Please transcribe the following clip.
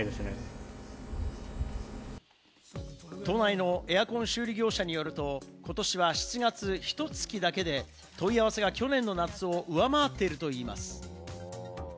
都内のエアコン修理業者によると、今年は７月ひと月だけで、問い合わせは去年の夏を上回っているといいます。